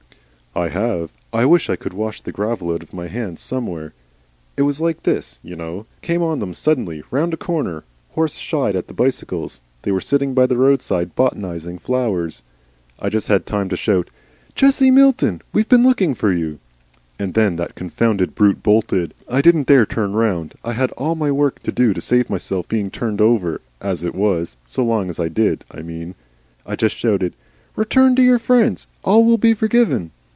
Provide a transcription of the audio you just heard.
"I have. I wish I could wash the gravel out of my hands somewhere. It was like this, you know. Came on them suddenly round a corner. Horse shied at the bicycles. They were sitting by the roadside botanising flowers. I just had time to shout, 'Jessie Milton, we've been looking for you,' and then that confounded brute bolted. I didn't dare turn round. I had all my work to do to save myself being turned over, as it was so long as I did, I mean. I just shouted, 'Return to your friends. All will be forgiven.